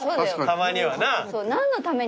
たまにはな。